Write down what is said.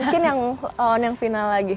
mungkin yang final lagi